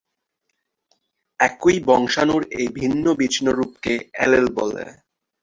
একই বংশাণুর এই ভিন্ন, বিছিন্ন রূপকে অ্যালিল বলে।